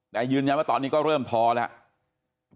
แต่ยืนยันว่าตอนนี้ก็เริ่มท้อแล้ว